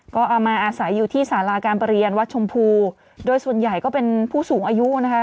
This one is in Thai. ก็เอามาอาศัยอยู่ที่สาราการประเรียนวัดชมพูโดยส่วนใหญ่ก็เป็นผู้สูงอายุนะคะ